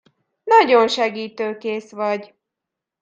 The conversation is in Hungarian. Nagyon segítőkész vagy.